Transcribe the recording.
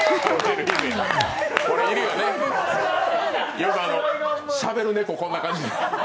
今のしゃべる猫、こんな感じ